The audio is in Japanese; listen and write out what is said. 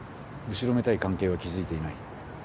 後ろめたい関係は築いていない。